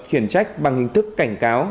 khiển trách bằng hình thức cảnh cáo